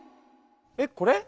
えっこれ？